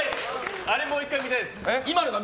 あれもう１回見たいです。